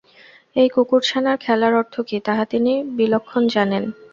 এই কুকুরছানার খেলার অর্থ কি, তাহা তিনি বিলক্ষণ জানেন।